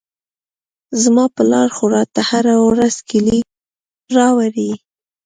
زما پلار خو راته هره ورځ کېلې راوړي.